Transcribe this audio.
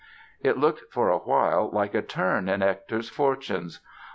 It looked, for a while, like a turn in Hector's fortunes.